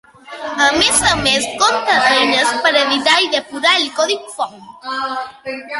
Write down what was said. A més a més conté eines per editar i depurar el codi font.